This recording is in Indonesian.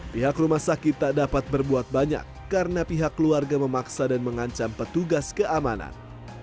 pihak rumah sakit tak dapat berbuat banyak karena pihak keluarga memaksa dan mengancam petugas keamanan